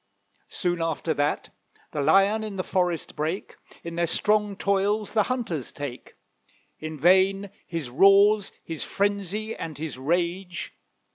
Soon after that The Lion in the forest brake, In their strong toils the hunters take; In vain his roars, his frenzy, and his rage.